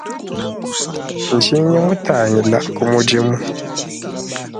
Ndinya, mutangila ku mudimu.